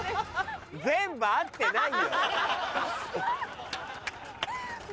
全部合ってないよ。ハハハ。